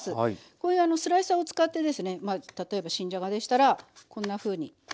こういうあのスライサーを使ってですねまあ例えば新じゃがでしたらこんなふうに。